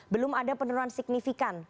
belum ada penurunan signifikan